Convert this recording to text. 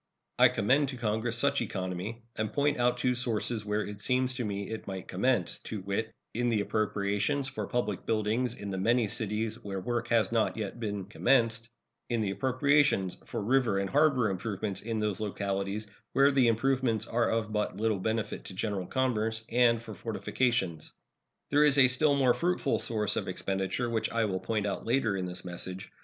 I commend to Congress such economy, and point out two sources where It seems to me it might commence, to wit, in the appropriations for public buildings in the many cities where work has not yet been commenced; in the appropriations for river and harbor improvement in those localities where the improvements are of but little benefit to general commerce, and for fortifications. There is a still more fruitful source of expenditure, which I will point out later in this message.